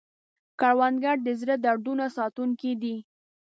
کروندګر د زړو دودونو ساتونکی دی